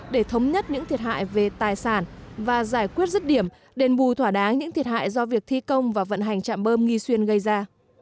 để thống nhất những thiệt hại về tài sản và giải quyết rứt điểm đền bù thỏa đáng những thiệt hại do việc thi công và vận hành trạm bơm nghi xuyên gây ra